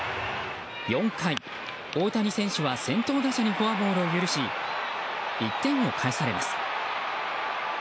４回、大谷選手は先頭打者にフォアボールを許し１点を返されます。